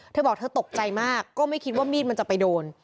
เธอบอกเธอตกใจมากก็ไม่คิดว่ามีดมันจะไปโดน